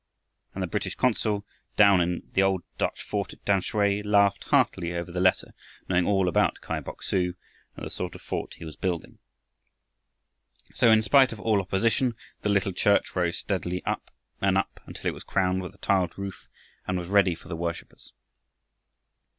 And the British consul down in his old Dutch fort at Tamsui laughed heartily over the letter, knowing all about Kai Bok su and the sort of fort he was building. So, in spite of all opposition, the little church rose steadily up and up until it was crowned with a tiled roof and was ready for the worshipers.